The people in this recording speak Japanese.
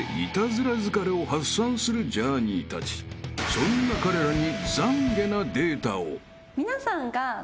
［そんな彼らに］